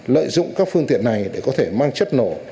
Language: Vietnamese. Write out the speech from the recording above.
lợi dụng các phương tiện này để có thể mang chất nổ